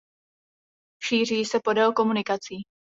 Šíří se podél komunikací.